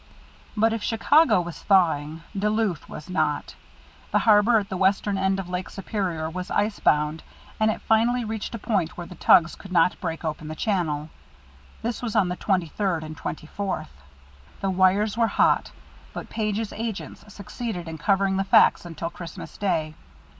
But if Chicago was thawing, Duluth was not. The harbor at the western end of Lake Superior was ice bound, and it finally reached a point that the tugs could not break open the channel. This was on the twenty third and twenty fourth. The wires were hot, but Page's agents succeeded in covering the facts until Christmas Day.